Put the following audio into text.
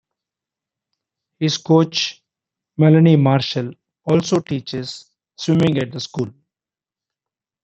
His coach, Melanie Marshall also teaches swimming at the school.